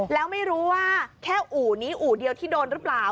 แล้วไม่รู้ว่าแค่อู่นี้อู่เดียวที่โดนหรือเปล่า